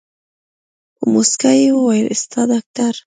په موسکا يې وويل ستا ډاکتر.